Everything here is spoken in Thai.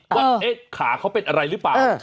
ว่าขาเขาเป็นอะไรหรือเปล่า